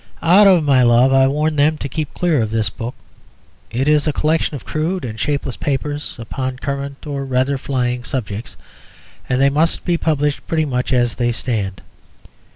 Out of my love I warn them to keep clear of this book. It is a collection of crude and shapeless papers upon current or rather flying subjects; and they must be published pretty much as they stand.